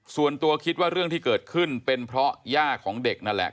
ส่วนตัวคิดว่าเรื่องที่เกิดขึ้นเป็นเพราะย่าของเด็กนั่นแหละ